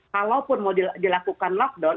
kalaupun mau dilakukan lockdown